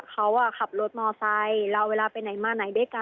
เขาขับรถมอไซค์เราเวลาไปไหนมาไหนด้วยกัน